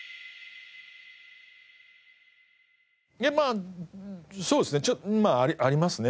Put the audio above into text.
まあそうですねまあありますねそれは。